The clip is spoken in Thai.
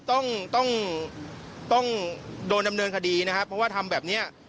ต้องต้องโดนดำเนินคดีนะครับเพราะว่าทำแบบเนี้ย